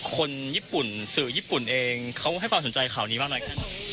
คนญี่ปุ่นสื่อญี่ปุ่นเองเขาให้ความสนใจข่าวนี้บ้างไหมครับ